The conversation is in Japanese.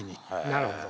なるほど。